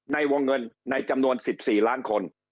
ในวงเงินในจำนวน๑๔ล้านคน